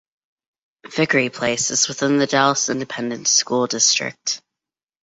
Vickery Place is within the Dallas Independent School District.